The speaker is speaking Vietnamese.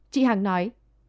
chị hằng nói